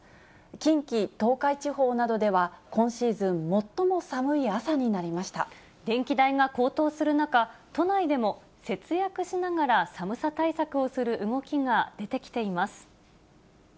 近畿、東海地方などでは、今シー電気代が高騰する中、都内でも節約しながら寒さ対策をする動きが出てきています。